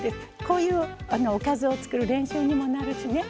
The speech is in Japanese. こういうおかずを作る練習にもなるしね